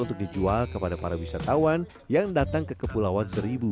untuk dijual kepada para wisatawan yang datang ke kepulauan seribu